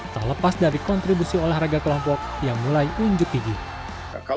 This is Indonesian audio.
tak lepas dari kontribusi olahraga kelompok yang mulai unjuk gigi